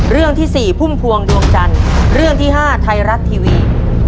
เรื่องที่๔พุ่มพวงดวงจันทร์เรื่องที่๕ไทยรัฐทีวี